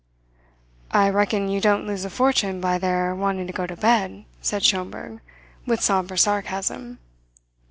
"I reckon you don't lose a fortune by their wanting to go to bed," said Schomberg, with sombre sarcasm.